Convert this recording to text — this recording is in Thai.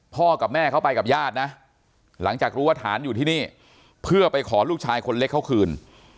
กับแม่เขาไปกับญาตินะหลังจากรู้ว่าฐานอยู่ที่นี่เพื่อไปขอลูกชายคนเล็กเขาคืน